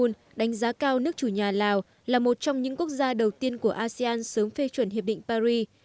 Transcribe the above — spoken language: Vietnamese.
ban ki moon đánh giá cao nước chủ nhà lào là một trong những quốc gia đầu tiên của asean sớm phê chuẩn hiệp định paris